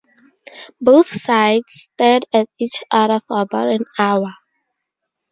Both sides stared at each other for about an hour.